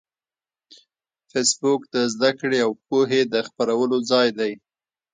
فېسبوک د زده کړې او پوهې د خپرولو ځای دی